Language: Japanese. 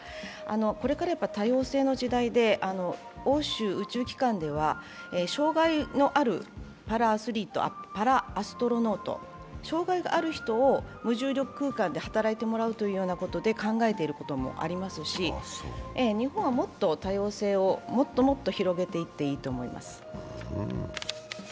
これから多様性の時代で欧州宇宙機関では障害のあるパラアストロノート、障害がある人を無重力空間で働いてもらうということで考えていることもありますし、日本はもっと多様性をもっともっと広げていっていいと思います。